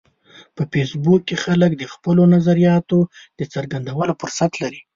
په فېسبوک کې خلک د خپلو نظریاتو د څرګندولو فرصت لري